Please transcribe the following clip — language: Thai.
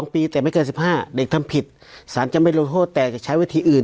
๒ปีแต่ไม่เกิน๑๕เด็กทำผิดสารจะไม่ลงโทษแต่จะใช้วิธีอื่น